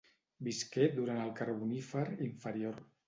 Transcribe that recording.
Visqué durant el Carbonífer inferior.